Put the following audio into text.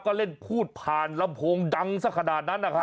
ก็เล่นพูดผ่านลำโพงดังสักขนาดนั้นนะครับ